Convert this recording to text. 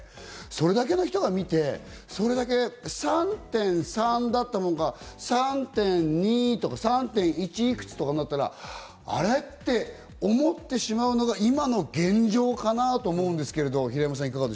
それだけの人が見て、３．３だったものが３．２とか、３．１いくつとかになったらアレイって思ってしまうのが今の現状かなぁと思うんですけど、平山さん。